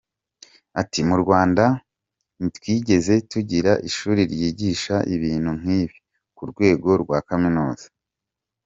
Ati “Mu Rwanda ntitwigeze tugira ishuri ryigisha ibintu nk’ibi ku rwego rwa kaminuza.